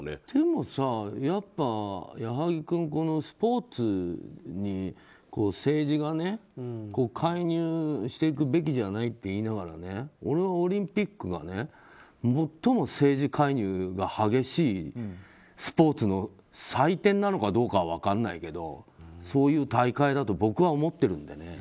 でもさ、矢作君スポーツに政治が介入していくべきじゃないといいながら俺はオリンピックが最も政治介入が激しいスポーツの祭典なのかどうかは分からないけどそういう大会だと僕は思ってるので。